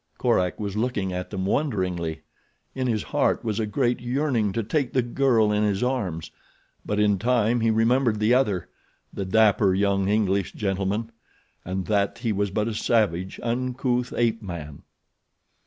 Korak was looking at them wonderingly. In his heart was a great yearning to take the girl in his arms; but in time he remembered the other—the dapper young English gentleman—and that he was but a savage, uncouth ape man.